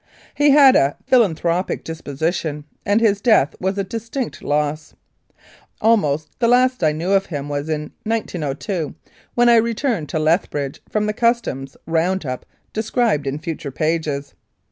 He had a philanthropic disposition, and his death was a distinct loss. Almost the last that I knew of him was in 1902, when I re turned to Lethbridge from the Customs round up described in future pages.